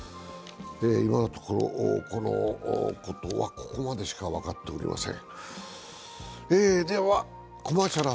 今のところ、このことはここまでしか分かっておりません。